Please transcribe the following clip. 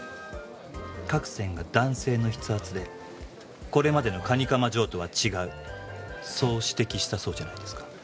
描く線が男性の筆圧でこれまでの蟹釜ジョーとは違うそう指摘したそうじゃないですか。